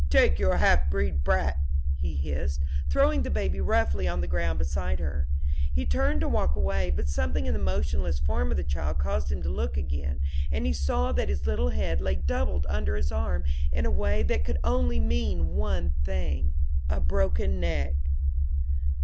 "Take your half breed brat," he hissed, throwing the baby roughly on the ground beside her. He turned to walk away, but something in the motionless form of the child caused him to look again, and he saw that his little head lay doubled under his arm in a way that could only mean one thing a broken neck.